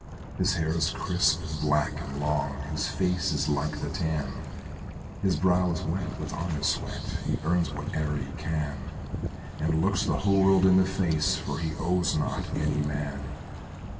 His hair is crisp, and black, and long, His face is like the tan; His brow is wet with honest sweat, He earns whate'er he can, And looks the whole world in the face, For he owes not any man.